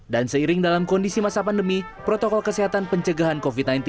seiring dalam kondisi masa pandemi protokol kesehatan pencegahan covid sembilan belas